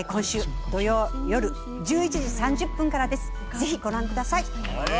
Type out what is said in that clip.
ぜひご覧ください！